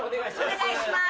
お願いします。